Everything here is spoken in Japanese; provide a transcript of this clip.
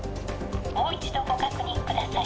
もう一度ご確認ください